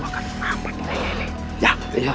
bosan ah bertarung di bawah